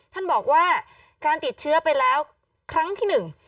ท่านบอกว่าการติดเชื้อไปแล้วครั้งที่หนึ่ง